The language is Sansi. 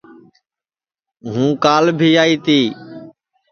ہُوں کال بھی آئی تی